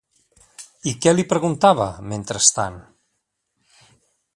I què li preguntava, mentrestant?